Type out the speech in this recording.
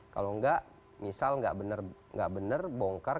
kalau tidak misalnya tidak benar bongkar